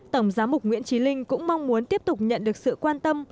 tổng giám mục nguyễn trí linh cũng mong muốn tiếp tục nhận được sự quan tâm